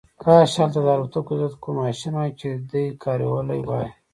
کاش هلته د الوتکو ضد کوم ماشین وای چې دی کارولی وای